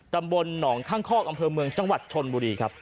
ตำบลหนองข้างคอกอำเภอเมืองจังหวัดชนบุรีครับ